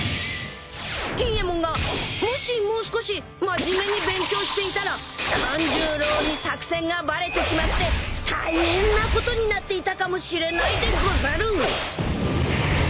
［錦えもんがもしもう少し真面目に勉強していたらカン十郎に作戦がバレてしまって大変なことになっていたかもしれないでござる］